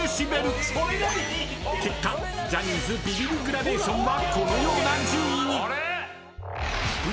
［結果Ｊｏｈｎｎｙ’ｓビビりグラデーションはこのような順位に］